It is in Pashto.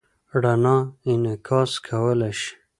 رڼا انعکاس کولی شي.